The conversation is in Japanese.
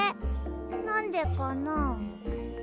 なんでかな？